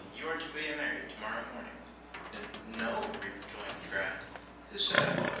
You are to be married tomorrow morning.' 'N n no,' rejoined Gride. 'Who said I was?